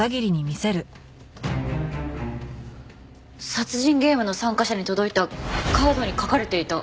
殺人ゲームの参加者に届いたカードに描かれていた。